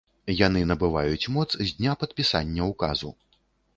Яны набываюць моц з дня падпісання ўказу.